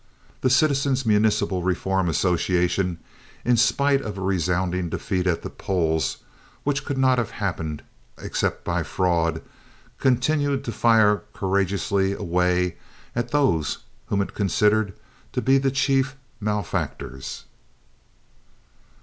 The Citizens' Municipal Reform Association, in spite of a resounding defeat at the polls, which could not have happened except by fraud, continued to fire courageously away at those whom it considered to be the chief malefactors.